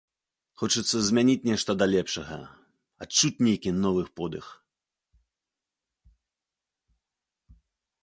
Хочацца змяніць нешта да лепшага, адчуць нейкі новы подых.